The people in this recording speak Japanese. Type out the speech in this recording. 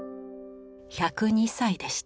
１０２歳でした。